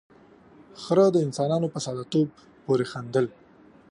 ، خره د انسانانو په ساده توب پورې خندل.